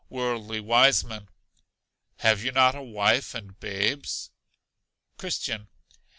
Worldly Wiseman. Have you not a wife and babes? Christian.